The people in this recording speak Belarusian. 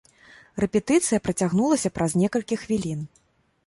Рэпетыцыя працягнулася праз некалькі хвілін.